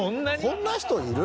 こんな人いる？